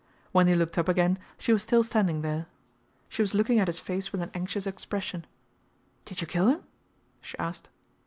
When he looked up again she was still standing there. She was looking at his face with an anxious expression. "Did you kill him?" she asked.